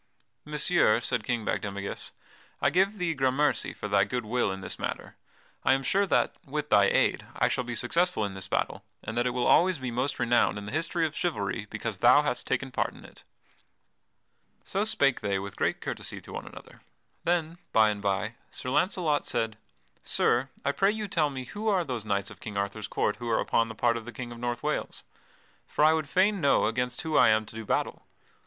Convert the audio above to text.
"Messire," said King Bagdemagus, "I give thee grammercy for thy good will in this matter. I am sure that, with thy aid, I shall be successful in this battle, and that it will always be most renowned in the history of chivalry because thou hast taken part in it." So spake they with great courtesy to one another. Then, by and by, Sir Launcelot said: "Sir, I pray you tell me who are those knights of King Arthur's court who are upon the part of the King of North Wales? For I would fain know against whom I am to do battle."